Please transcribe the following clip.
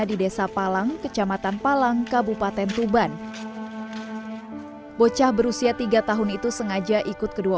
di desa palang kecamatan palang kabupaten tuban bocah berusia tiga tahun itu sengaja ikut kedua